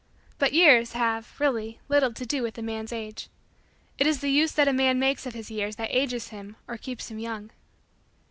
But years have, really, little to do with a man's age. It is the use that a man makes of his years that ages him or keeps him young.